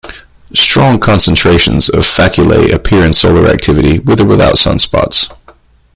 Strong concentrations of faculae appear in solar activity, with or without sunspots.